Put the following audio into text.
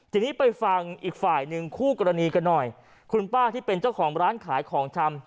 ทีนี้ไปฟังอีกฝ่ายหนึ่งคู่กรณีกันหน่อยคุณป้าที่เป็นเจ้าของร้านขายของชำ